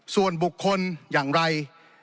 ส่วนบุคคลอย่างไร